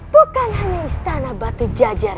bukan hanya istana batu jajar